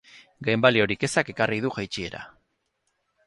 Gainbaliorik ezak ekarri du jaitsiera.